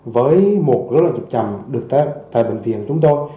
với một dối loại nhiệp chậm được tại bệnh viện chúng tôi